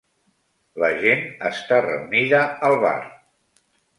La gent està reunida al bar.